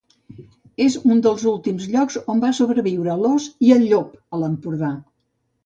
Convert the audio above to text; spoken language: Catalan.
És un dels últims llocs on van sobreviure l'ós i el llop a l'Empordà.